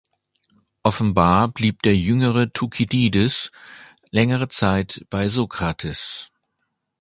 Offenbar blieb der jüngere Thukydides längere Zeit bei Sokrates.